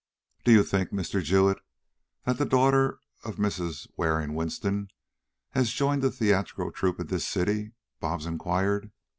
"Do you think, Mr. Jewett, that the daughter of Mrs. Waring Winston has joined a theatrical troupe in this city?" Bobs inquired.